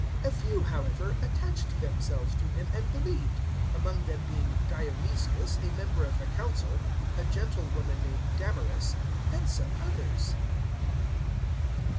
017:034 A few, however, attached themselves to him and believed, among them being Dionysius a member of the Council, a gentlewoman named Damaris, and some others.